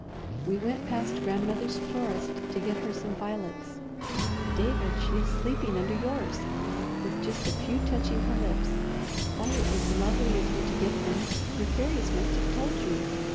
We went past grandmother's florist to get her some violets David, she is sleeping under yours, with just a few touching her lips. Oh it was lovely of you to get them; your fairies must have told you!